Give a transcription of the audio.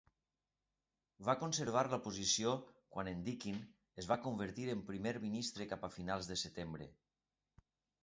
Va conservar la posició quan en Deakin es va convertir en primer ministre cap a finals de setembre.